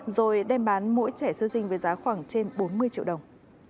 rồi đem bán mỗi trẻ sơ dinh với giá khoảng trên bốn mươi triệu đồng